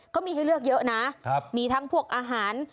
เขามีให้เลือกเยอะนะมีทั้งพวกอาหาร